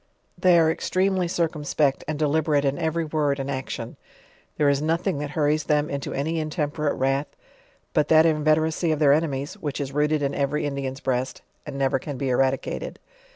They are extremely circumspect and deliberate in every word and action; there is nothing that hurries them into any intemperate wrath, but that inveteracy of their enemies, which is rooted in every Indian's breast, and never can be eradicated.